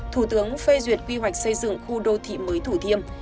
thủ tướng phê duyệt quy hoạch xây dựng khu đô thị mới thủ thiêm